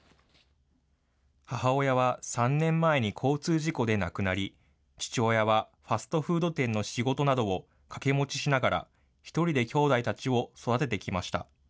母親は３年前に交通事故で亡くなり、父親はファストフード店の仕事などを掛け持ちしながら、１人で兄弟たちを育ててきました。